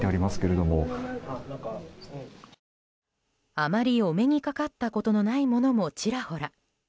あまりお目にかかったことのないものもちらほら。